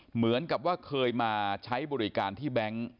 เหมือนกับว่าเคยมาใช้บริการที่แบงค์